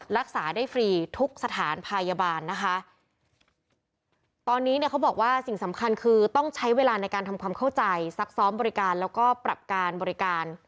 รักษาได้ฟรีทุกสถานพยาบาลนะคะตอนนี้เนี่ยเขาบอกว่าสิ่งสำคัญคือต้องใช้เวลาในการทำความเข้าใจซักซ้อมบริการแล้วก็ปรับการบริการ